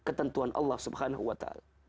ketentuan allah swt